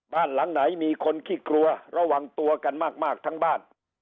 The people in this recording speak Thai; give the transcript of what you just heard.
บ้านหลังไหนมีคนขี้กลัวระวังตัวกันมากทั้งบ้าน